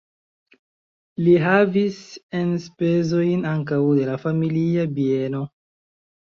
Li havis enspezojn ankaŭ de la familia bieno.